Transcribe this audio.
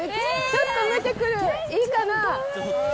ちょっと見てくる、いいかな？